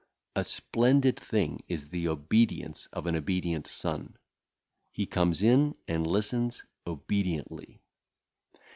A splendid thing is the obedience of an obedient son; he cometh in and listeneth obediently.